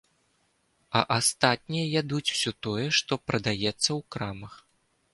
А астатнія ядуць усё тое, што прадаецца ў крамах.